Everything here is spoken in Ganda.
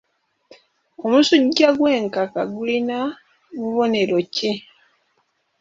Omusujja gw'enkaka gulina bubonero ki?